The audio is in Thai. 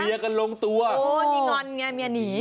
กันลงตัวโอ้นี่งอนไงเมียหนี